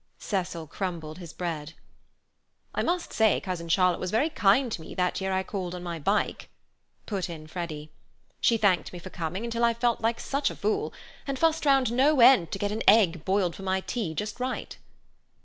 Cecil crumbled his bread. "I must say Cousin Charlotte was very kind to me that year I called on my bike," put in Freddy. "She thanked me for coming till I felt like such a fool, and fussed round no end to get an egg boiled for my tea just right."